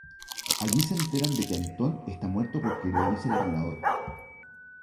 Allí se enteran de que Antón está muerto porque lo dice el ordenador.